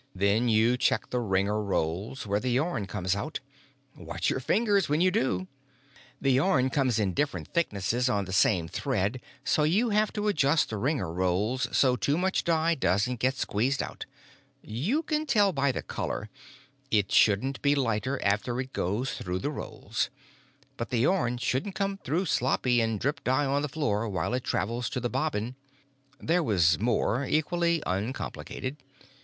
Then you check the wringer rolls where the yarn comes out. Watch your fingers when you do! The yarn comes in different thicknesses on the same thread so you have to adjust the wringer rolls so too much dye doesn't get squeezed out. You can tell by the color; it shouldn't be lighter after it goes through the rolls. But the yarn shouldn't come through sloppy and drip dye on the floor while it travels to the bobbin——" There was some more, equally uncomplicated.